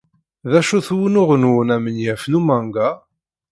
D acu-t wunuɣ-nwen amenyaf n umanga?